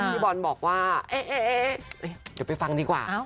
พี่บอลบอกว่าเอ๊ะเดี๋ยวไปฟังดีกว่า